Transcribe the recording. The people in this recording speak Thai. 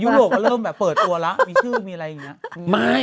โรปก็เริ่มแบบเปิดตัวแล้วมีชื่อมีอะไรอย่างนี้